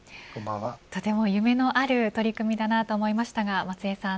とても夢のある取り組みだなと思いましたが松江さん